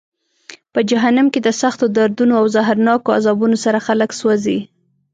په جهنم کې د سختو دردونو او زهرناکو عذابونو سره خلک سوزي.